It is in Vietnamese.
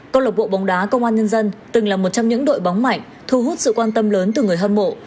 câu lộc bộ bóng đá công an nhân dân từng là một trong những đội bóng mạnh thu hút sự quan tâm lớn từ người hâm mộ